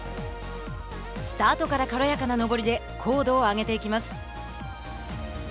スタートから軽やかな登りで高度を上げていきます。